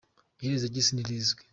Iherezo ry’Isi ntirizwi